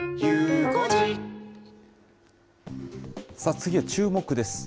次はチューモク！です。